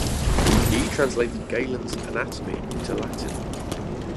He translated Galen's "Anatomy" into Latin.